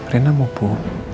rina mau bu